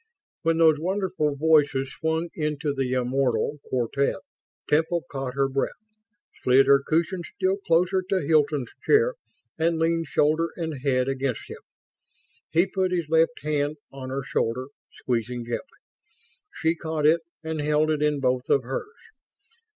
When those wonderful voices swung into the immortal Quartette Temple caught her breath, slid her cushion still closer to Hilton's chair, and leaned shoulder and head against him. He put his left hand on her shoulder, squeezing gently; she caught it and held it in both of hers.